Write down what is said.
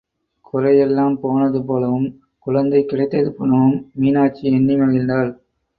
குறையெல்லாம் போனது போலவும், குழந்தை கிடைத்தது போலவும் மீனாட்சி எண்ணி மகிழ்ந்தாள்.